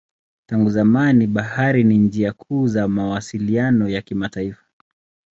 Tangu zamani bahari ni njia kuu za mawasiliano ya kimataifa.